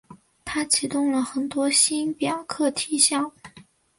他启动了很多星表课题项目。